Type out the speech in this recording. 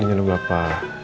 ini gak ada apa apa